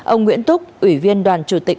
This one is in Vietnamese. ông nguyễn túc ủy viên đoàn chủ tịch